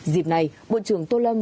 dịp này bộ trưởng tô lâm